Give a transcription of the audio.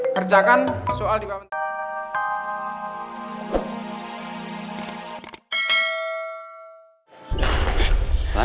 kerjakan soal di bawah